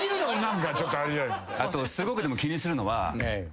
あとすごく気にするのは。